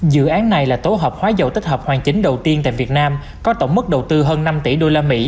dự án này là tổ hợp hóa dầu tích hợp hoàn chính đầu tiên tại việt nam có tổng mức đầu tư hơn năm tỷ usd